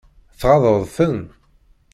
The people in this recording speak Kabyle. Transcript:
Tɣaḍeḍ-ten?